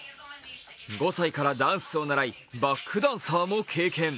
５歳からダンスを習いバックダンサーも経験。